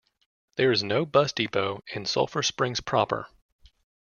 There is no bus depot in Sulphur Springs proper.